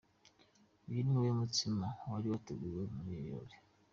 Uyu niwo mutsima wari wateguwe muri ibi birori.